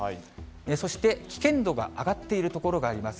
そして危険度が上がっている所があります。